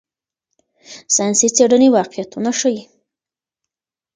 ساینسي څېړنې واقعیتونه ښيي.